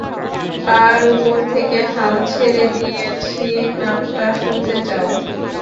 কার উপর থেকে হাল ছেড়ে দিয়েছি নামটা শুনতে চাও?